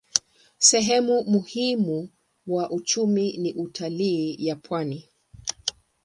Sehemu muhimu wa uchumi ni utalii ya pwani.